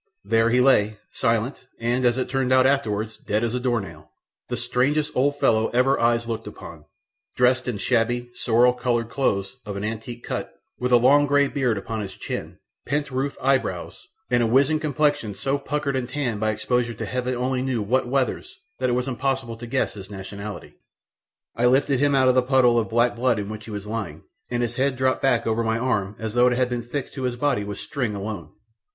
There he lay, silent and, as it turned out afterwards, dead as a door nail, the strangest old fellow ever eyes looked upon, dressed in shabby sorrel coloured clothes of antique cut, with a long grey beard upon his chin, pent roof eyebrows, and a wizened complexion so puckered and tanned by exposure to Heaven only knew what weathers that it was impossible to guess his nationality. I lifted him up out of the puddle of black blood in which he was lying, and his head dropped back over my arm as though it had been fixed to his body with string alone.